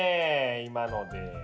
今ので。